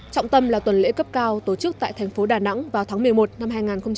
trọng tâm là tuần lễ cấp cao tổ chức tại thành phố đà nẵng vào tháng một mươi một năm hai nghìn hai mươi